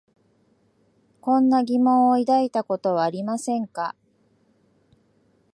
こんな疑問を抱いたことはありませんか？